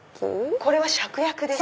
これはシャクヤクです。